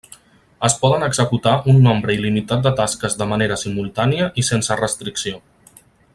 Es poden executar un nombre il·limitat de tasques de manera simultània i sense restricció.